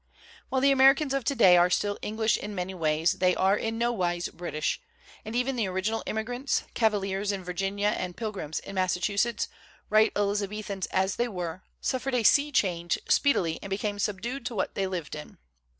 While the Americans of today are still Eng lish in many ways they are in no wise British; and even the original immigrants, Cavaliers in Virginia and Pilgrims in Massachusetts, right Elizabethans as they were, suffered a sea change speedily and became subdued to what they lived in.